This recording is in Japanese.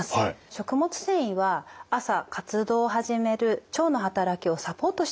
食物繊維は朝活動を始める腸の働きをサポートしてくれる役割があるんですね。